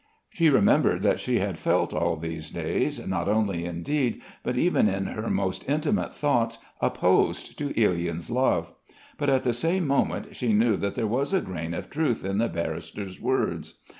She remembered that she had felt all these days not only in deed but even in her most intimate thoughts opposed to Ilyin's love. But at the same moment she knew that there was a grain of truth in the barrister's words.